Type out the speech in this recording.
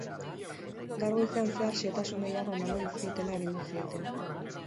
Gaur goizean zehar xehetasun gehiago emango dizkietela agindu zieten.